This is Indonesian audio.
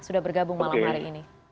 sudah bergabung malam hari ini